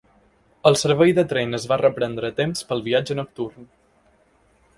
El servei de tren es va reprendre a temps pel viatge nocturn.